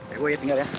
eh gue ya tinggal ya